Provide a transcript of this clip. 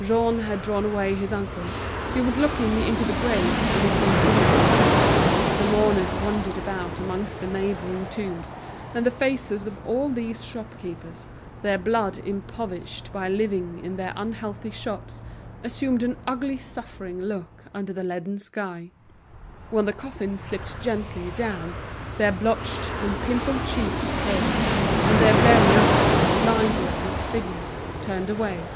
Jean had drawn away his uncle, who was looking into the grave with a gaping air. The mourners wandered about amongst the neighboring tombs, and the faces of all these shopkeepers, their blood impoverished by living in their unhealthy shops, assumed an ugly suffering look under the leaden sky. When the coffin slipped gently down, their blotched and pimpled cheeks paled, and their bleared eyes, blinded with figures, turned away.